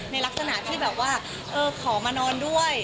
ในลักษณะที่แบบว่าเออขอมานอนด้วย